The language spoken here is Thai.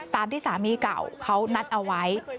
ตามที่สามีเก่าเขานัดเอาไว้